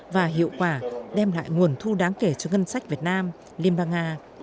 và hiệu quả đem lại nguồn thu đáng kể cho ngân sách việt nam liên bang nga